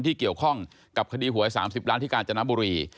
ที่เกี่ยวข้องกับคดีหวย๓๐ล้านที่กาญจนบุรี